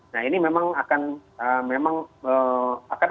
nah ini memang akan memang akan